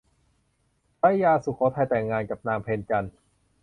พระยาสุโขทัยแต่งงานกับนางเพ็ญจันทร์